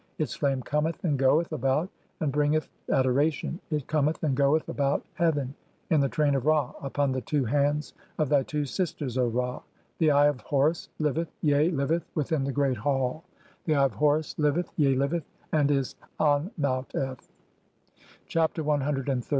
[Its] flame cometh and goeth about, and "bringeth (4) adoration (?); [it] cometh and goeth about heaven "in the train of Ra upon the two hands of thy two sisters, O "Ra. The Eye of Horus liveth, yea liveth within the great hall ; "the Eye of Horus liveth. yea liveth, and is An Maut f." Chapter CXXXVIII. [From the Papyrus of No (Brit.